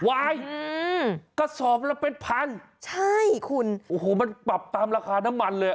อืมกระสอบละเป็นพันใช่คุณโอ้โหมันปรับตามราคาน้ำมันเลย